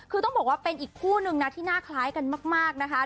คือต้องบอกว่าเป็นอีกคู่นึงนะที่น่าคล้ายกันมากนะคะ